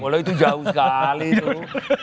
kalau itu jauh sekali tuh